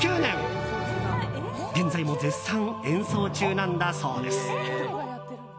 現在も絶賛、演奏中なんだそうです。